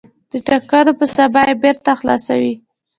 د ټاکنو په سبا یې بېرته خلاصوي.